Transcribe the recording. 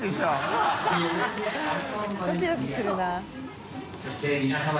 ドキドキするな。